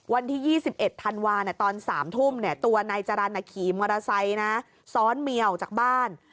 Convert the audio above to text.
วันที่๒๑ธันวาตอน๓ทุ่มตัวนายจรรย์ขี่มอเตอร์ไซค์นะซ้อนเมียออกจากบ้าน